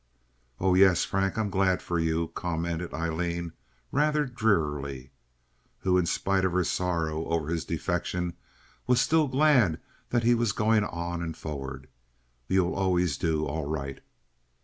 "Oh yes, Frank, I'm glad for you," commented Aileen, rather drearily, who, in spite of her sorrow over his defection, was still glad that he was going on and forward. "You'll always do all right."